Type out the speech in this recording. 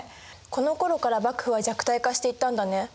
このころから幕府は弱体化していったんだね。